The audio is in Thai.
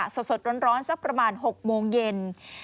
สดร้อนสักประมาณ๖โมงเย็น